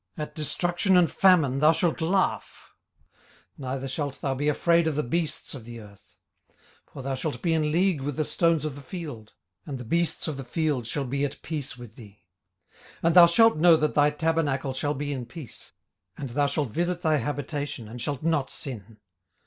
18:005:022 At destruction and famine thou shalt laugh: neither shalt thou be afraid of the beasts of the earth. 18:005:023 For thou shalt be in league with the stones of the field: and the beasts of the field shall be at peace with thee. 18:005:024 And thou shalt know that thy tabernacle shall be in peace; and thou shalt visit thy habitation, and shalt not sin.